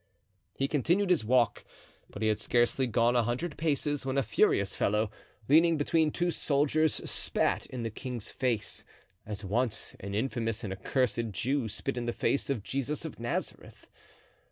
He continued his walk, but he had scarcely gone a hundred paces, when a furious fellow, leaning between two soldiers, spat in the king's face, as once an infamous and accursed Jew spit in the face of Jesus of Nazareth.